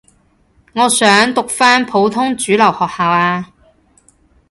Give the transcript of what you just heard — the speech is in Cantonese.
我想讀返普通主流學校呀